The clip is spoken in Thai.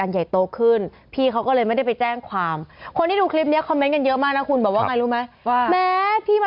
ใช่ค่ะหยิบของแล้วก็วางที่เดิมด้วยเก่งมากค่ะคนกับเขามาแซวอะ